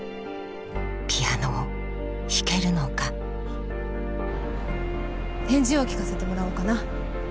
ピアノを弾けるのか返事を聞かせてもらおうかな。